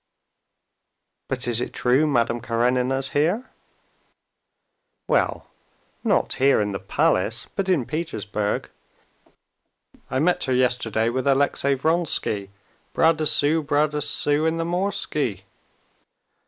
"But is it true Madame Karenina's here?" "Well, not here in the palace, but in Petersburg. I met her yesterday with Alexey Vronsky, bras dessous, bras dessous, in the Morsky."